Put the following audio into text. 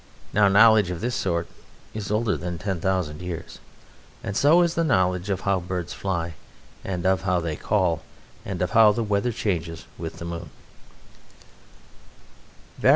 Now knowledge of this sort is older than ten thousand years; and so is the knowledge of how birds fly, and of how they call, and of how the weather changes with the moon.